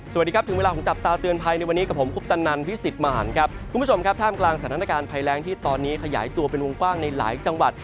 สวัสดีครับถึงเวลาของจับตาเตือนภัยในวันนี้กับผมคุปตันนันพิสิทธิ์มหันครับคุณผู้ชมครับท่ามกลางสถานการณ์ภัยแรงที่ตอนนี้ขยายตัวเป็นวงกว้างในหลายจังหวัด